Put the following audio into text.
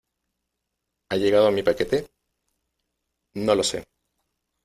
¿ Ha llegado mi paquete? No lo sé.